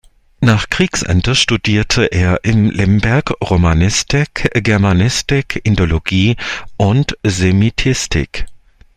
Nach Kriegsende studierte er in Lemberg Romanistik, Germanistik, Indologie und Semitistik.